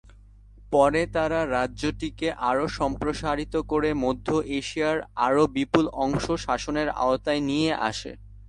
পরে তারা রাজ্যটিকে আরও সম্প্রসারিত করে মধ্য এশিয়ার আরও বিপুল অংশ শাসনের আওতায় নিয়ে আসে।